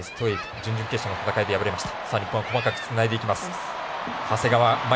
準々決勝の戦いで敗れました。